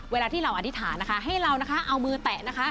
เวลาที่เราอธิษฐานนะคะให้เรานะคะเอามือแตะนะคะ